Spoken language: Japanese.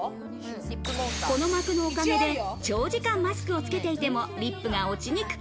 この膜のおかげで長時間マスクを着けていても、リップが落ちにく